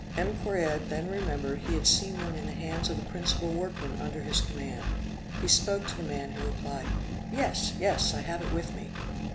M. Correard then remembered he had seen one in the hands of the principal workmen under his command; he spoke to the man, who replied, 'Yes, yes, I have it with me.'